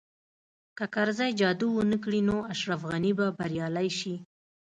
که کرزی جادو ونه کړي نو اشرف غني به بریالی شي